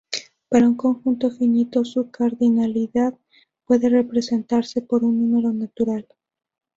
Para un conjunto finito su cardinalidad puede representarse por un número natural.